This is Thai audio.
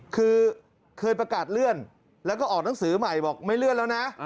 คือเคยประกาศเลื่อนแล้วก็ออกหนังสือใหม่บอกไม่เลื่อนแล้วนะ